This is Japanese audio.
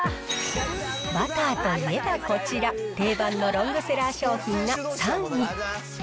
バターといえばこちら、定番のロングセラー商品が３位。